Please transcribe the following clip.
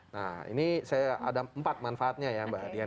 nah ini saya ada empat manfaatnya ya mbak dian